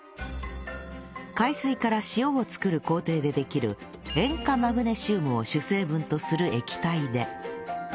海水から塩を作る工程でできる塩化マグネシウムを主成分とする液体で